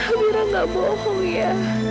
amirah gak bohong ya